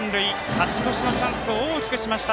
勝ち越しのチャンスを大きくしました。